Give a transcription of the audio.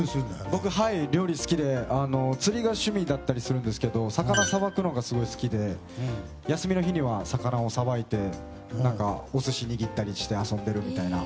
僕、料理好きで釣りが趣味だったりするんですけど魚さばくのがすごい好きで休みの日には魚をさばいてお寿司握ったりして遊んでるみたいな。